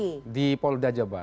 ada di polda jabar